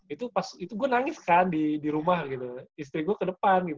itu pas itu gue nangis kan di rumah gitu istri gue ke depan